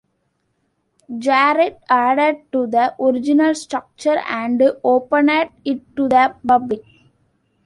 Jarrett added to the original structure and opened it to the public.